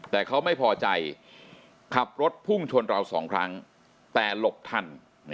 แต่เขาไม่พอใจขับรถพุ่งชนเราสองครั้งแต่หลบทัน